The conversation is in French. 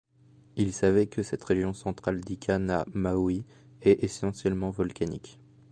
Ils savaient que cette région centrale d’Ika-Na-Maoui est essentiellement volcanique.